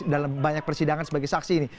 dalam banyak persidangan sebagai saksi ini